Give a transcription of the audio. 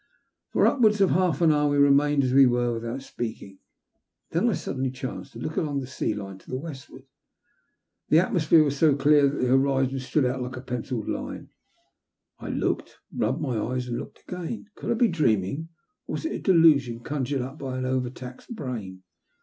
For upwards of half an hour we remained as we were, without speaking. Then I suddenly chanced to look along the sea line to the westward. The atmo sphere was so clear that the horizon stood out like a pencilled line. I looked, rubbed my eyes, and looked again. Could I be dreaming, or was it a delusion conjured up by an overtaxed brain.